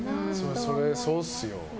そりゃそうっすよ。